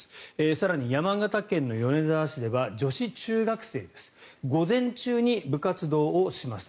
更に、山形県の米沢市では女子中学生です午前中に部活動をしました。